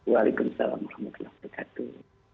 waalaikumsalam warahmatullahi wabarakatuh